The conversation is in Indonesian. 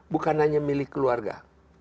bukan hanya milik keluarga